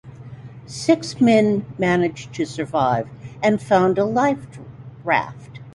Six men managed to survive and found a life raft.